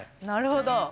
なるほど。